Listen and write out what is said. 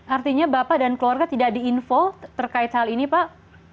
artinya bapak dan keluarga tidak diinfo terkait hal ini pak